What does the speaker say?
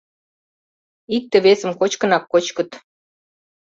— Икте-весым кочкынак кочкыт.